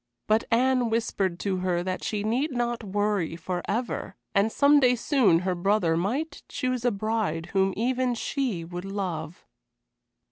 But Anne whispered to her that she need not worry forever, and some day soon her brother might choose a bride whom even she would love.